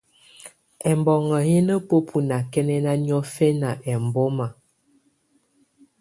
Ɛbɔnɔ̀ yɛ̀ nà bǝ́bu nakɛnɛna niɔ̀fɛna ɛmbɔma.